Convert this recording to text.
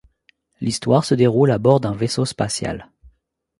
L'histoire se déroule à bord d'un vaisseau spatial.